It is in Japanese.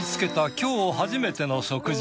今日初めての食事。